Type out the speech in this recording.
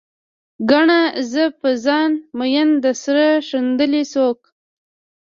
ګڼه، زه په ځان مين د سر ښندل څوک